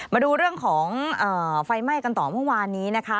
มาดูเรื่องของไฟไหม้กันต่อเมื่อวานนี้นะคะ